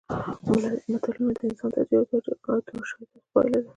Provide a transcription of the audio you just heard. متلونه د انساني تجربو او مشاهداتو پایله ده